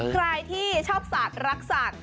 ใครที่ชอบศาสตร์รักสัตว์